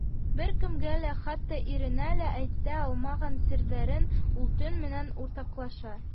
Бер кемгә лә, хатта иренә лә әйтә алмаған серҙәрен ул төн менән уртаҡлаша.